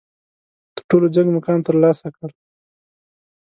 تر ټولو جګ مقام ترلاسه کړ.